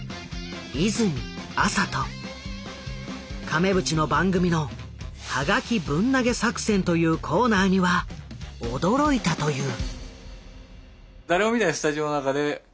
亀渕の番組の「ハガキぶん投げ作戦」というコーナーには驚いたという。